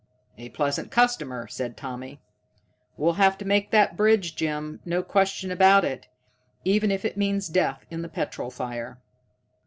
"A pleasant customer," said Tommy. "We'll have to make that bridge, Jim, no question about it, even if it means death in the petrol fire."